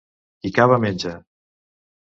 Qui cava menja.